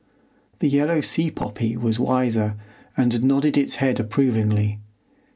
The yellow sea poppy was wiser, and nodded its head approvingly.